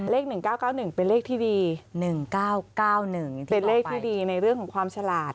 ๑๙๙๑เป็นเลขที่ดี๑๙๙๑เป็นเลขที่ดีในเรื่องของความฉลาด